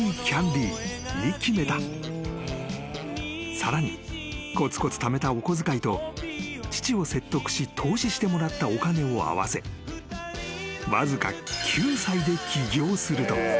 ［さらにこつこつためたお小遣いと父を説得し投資してもらったお金を合わせわずか］